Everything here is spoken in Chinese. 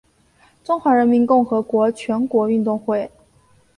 中华人民共和国全国运动会。